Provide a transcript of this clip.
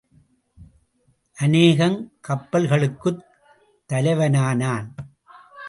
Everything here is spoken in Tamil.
அநேகங் கப்பல்களுக்குத் தலைவனானான்.